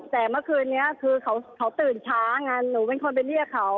แต่เมื่อคืนนี้คือเขาตื่นช้าไงหนูเป็นคนไปเรียกเขา